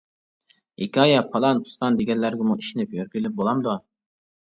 -ھېكايە، پالان-پۇستان دېگەنلەرگىمۇ ئىشىنىپ يۈرگىلى بولامدۇ.